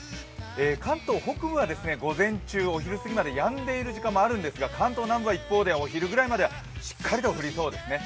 関東北部は午前中、お昼過ぎまでやんでいる時間もあるんですが関東南部は一方でお昼ぐらいまでしっかりと降りそうですね。